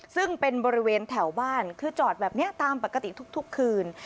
ซึ่งเป็นบริเวณแถวบ้านคือจอดแบบนี้ตามปกติทุกคืน